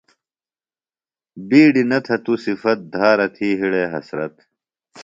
بِیڈیۡ نہ تھہ تو صِفت دھارہ تھی ہِڑے حسرت۔